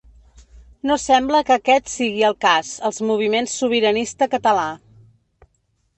No sembla que aquest sigui el cas els moviments sobiranista català.